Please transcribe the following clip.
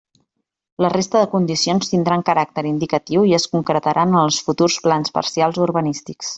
La resta de condicions tindran caràcter indicatiu i es concretaran en els futurs plans parcials urbanístics.